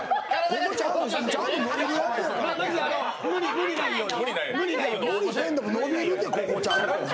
無理ないように。